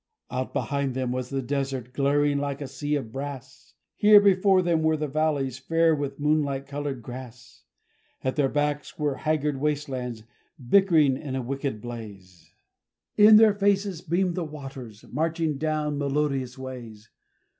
Out behind them was the desert, glaring like a sea of brass! Here before them were the valleys, fair with moonlight coloured grass! At their backs were haggard waste lands, bickering in a wicked blaze! In their faces beamed the waters, marching down melodious ways!